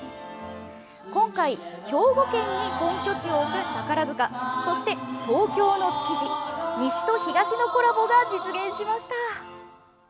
今回、兵庫県に本拠地を置く宝塚そして東京の築地西と東のコラボが実現しました。